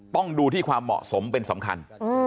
ต้องดูที่ความเหมาะสมเป็นสำคัญ